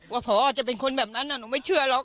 ผอจะเป็นคนแบบนั้นหนูไม่เชื่อหรอก